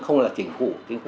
không là chính phủ